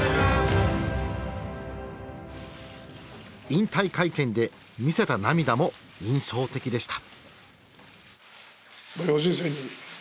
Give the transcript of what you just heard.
引退会見で見せた涙も印象的でした。